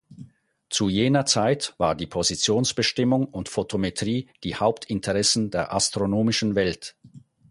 Zu jener Zeit war die Positionsbestimmung und Photometrie die Hauptinteressen der astronomischen Welt.